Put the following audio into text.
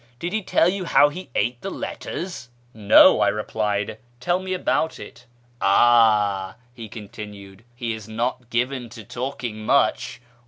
Did he tell you how he ate the letters ?"" No," I replied ;" tell me about it." " Ah," he continued, " he is not given to talking much.